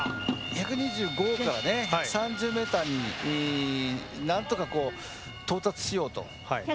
１２５から１３０ｍになんとか到達しようと。